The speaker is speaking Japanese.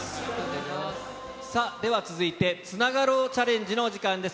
では、続いてつながろうチャレンジのお時間です。